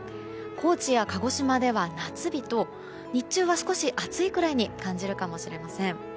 高知や鹿児島では夏日と日中は少し暑いくらいに感じるかもしれません。